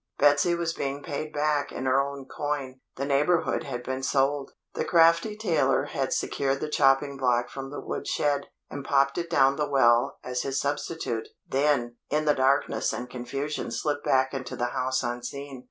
Betsy was being paid back in her own coin. The neighbourhood had been sold. The crafty tailor had secured the chopping block from the wood shed, and popped it down the well as his substitute, then, in the darkness and confusion slipped back into the house unseen.